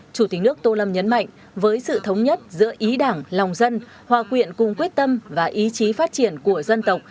chủ tịch nước tô lâm nhấn mạnh với sự thống nhất giữa ý đảng lòng dân hòa quyện cùng quyết tâm và ý chí phát triển của dân tộc